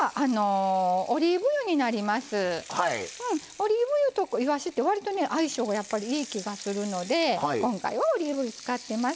オリーブ油といわしってわりとね相性がいい気がするので今回はオリーブ油使ってます。